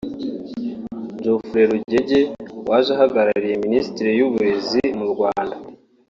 Jeofrey Rugege waje ahagarariye Minisiteri y’Uburezi mu Rwanda